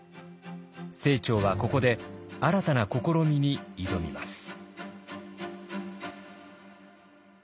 清張はここで新たな試みに挑みます。